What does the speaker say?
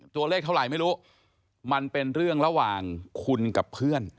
ตัวเลขเท่าไหร่ไม่รู้มันเป็นเรื่องระหว่างคุณกับเพื่อน